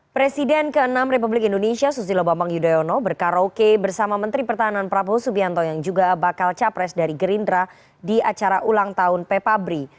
presiden ke enam republik indonesia susilo bambang yudhoyono berkaraoke bersama menteri pertahanan prabowo subianto yang juga bakal capres dari gerindra di acara ulang tahun pepabri